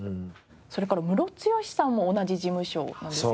それからムロツヨシさんも同じ事務所なんですよね。